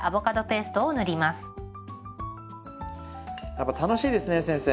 やっぱ楽しいですね先生。